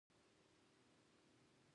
شيطان د اور څخه پيدا سوی دی